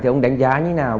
thì ông đánh giá như thế nào